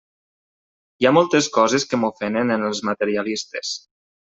Hi ha moltes coses que m'ofenen en els materialistes.